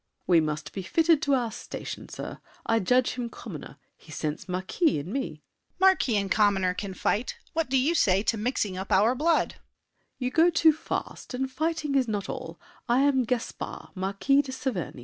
We must be fitted to our station, sir. I judge him commoner, he scents marquis In me. DIDIER. Marquis and commoner can fight. What do you say to mixing up our blood? SAVERNY. You go too fast, and fighting is not all. I am Gaspard, Marquis de Saverny.